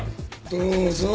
どうぞ。